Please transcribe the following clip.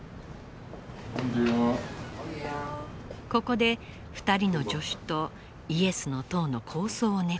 ここで２人の助手とイエスの塔の構想を練っています。